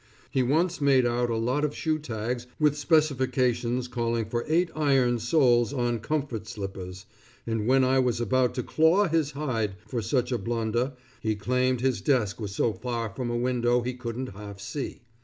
He once made out a lot of shoe tags with the specifications calling for eight iron soles on comfort slippers, and when I was about to claw his hide for such a blunder, he claimed his desk was so far from a window he couldn't half see.